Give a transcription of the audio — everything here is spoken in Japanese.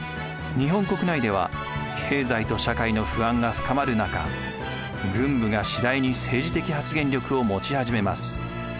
日本国内では経済と社会の不安が深まるなか軍部が次第に政治的発言力を持ち始めます。